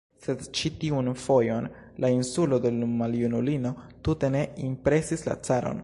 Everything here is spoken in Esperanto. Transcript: Sed ĉi tiun fojon la insultoj de l' maljunulino tute ne impresis la caron.